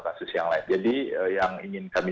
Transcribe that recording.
kasus yang lain jadi yang ingin kami